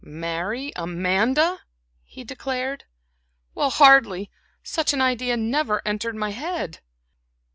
"Marry Amanda!" he declared, "well, hardly! Such an idea never entered my head."